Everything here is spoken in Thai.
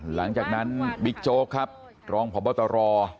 หลังจากนั้นบิ๊กโจ๊กครับรองพบตร